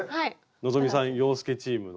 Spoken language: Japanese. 希さん洋輔チームの。